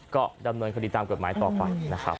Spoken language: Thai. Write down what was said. ก็ดำเนินคดีตามกฎหมายต่อไปนะครับ